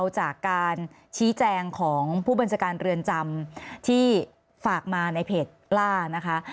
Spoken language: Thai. ชี้แจงของผู้บรรจการเรือนจำที่ฝากมาในเพจล่านะคะ